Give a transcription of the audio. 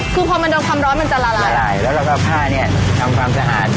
คือพอมันโดนความร้อนมันจะละลายละลายแล้วเราก็เอาผ้าเนี่ยทำความสะอาด